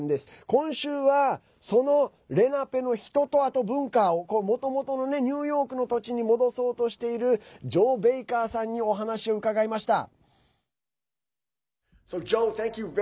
今週は、そのレナペの人とあと文化をもともとのニューヨークの土地に戻そうとしているジョー・ベイカーさんにお話を伺いました。